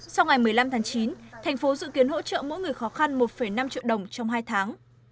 sau ngày một mươi năm tháng chín thành phố dự kiến hỗ trợ mỗi người khó khăn một năm triệu đồng trong hai tháng